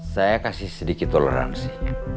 saya kasih sedikit toleransi